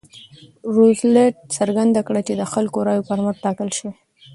روزولټ څرګنده کړه چې د خلکو رایو پر مټ ټاکل شوی.